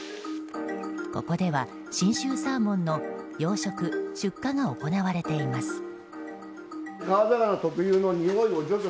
ここでは信州サーモンの養殖・出荷が行われています。